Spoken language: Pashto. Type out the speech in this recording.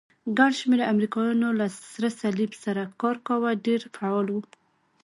ګڼ شمېر امریکایانو له سرې صلیب سره کار کاوه، ډېر فعال وو.